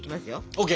ＯＫ！